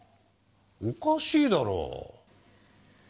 おかしいだろ。